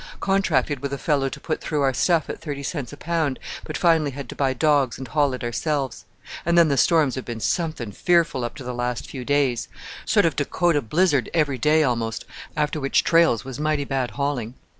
Contracted with a fellow to put through our stuff at thirty cents a pound, but finally had to buy dogs and haul it ourselves. And then the storms have been something fearful up to the last few days: sort of Dakota blizzard every day almost, after which trails was mighty bad hauling.